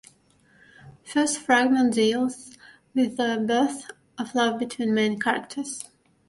First fragment deals with the birth of love between main characters.